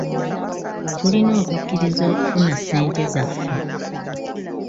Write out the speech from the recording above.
Tulina okukkiriza okufuna ssente zaffe.